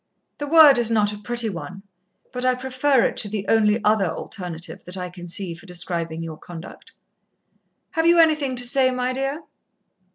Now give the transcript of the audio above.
The word is not a pretty one, but I prefer it to the only other alternative that I can see, for describing your conduct." "Have you anything to say, my dear?"